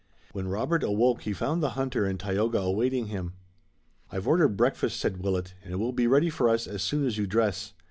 When Robert awoke he found the hunter and Tayoga awaiting him. "I've ordered breakfast," said Willet, "and it will be ready for us as soon as you dress.